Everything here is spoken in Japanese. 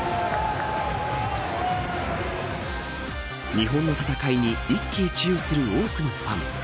日本の戦いに一喜一憂する多くのファン。